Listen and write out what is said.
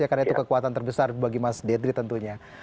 karena itu kekuatan terbesar bagi mas detri tentunya